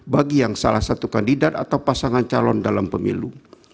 bagi yang salah satu kandidat atau pasangan calon dalam pemilu